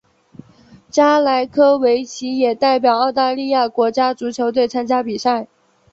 加莱科维奇也代表澳大利亚国家足球队参加比赛。